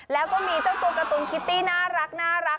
แล้วก็มีเจ้าตัวการ์ตูนคิตตี้น่ารัก